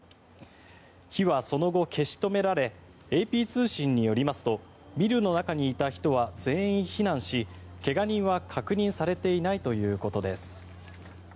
火はその後消し止められＡＰ通信によりますとビルの中にいた人は全員、避難し怪我人は確認されていないということです。